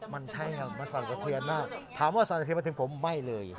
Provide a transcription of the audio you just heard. มันใช่ไงมันสั่นสะเทียนมากถามว่าสั่นสะเทียนมาถึงผมไม่เลย